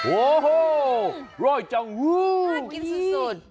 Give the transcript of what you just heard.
โอ้โหร่อยจังอื้ออร่อยกินสุด